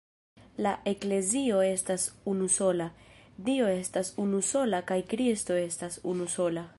La Eklezio estas unusola, Dio estas unusola kaj Kristo estas unusola.